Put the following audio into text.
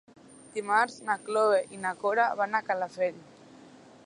Dimarts na Cloè i na Cora van a Calafell.